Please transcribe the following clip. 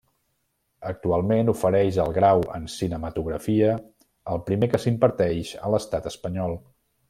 Actualment, ofereix el Grau en Cinematografia, el primer que s'imparteix a l'Estat espanyol.